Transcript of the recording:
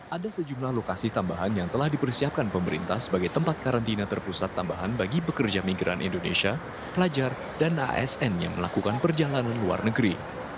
ada sejumlah lokasi tambahan yang telah dipersiapkan pemerintah sebagai tempat karantina terpusat tambahan bagi pekerja migran indonesia pelajar dan asn yang melakukan perjalanan luar negeri